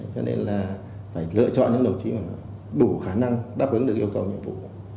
cho nên là phải lựa chọn những đồng chí mà đủ khả năng đáp ứng được yêu cầu nhiệm vụ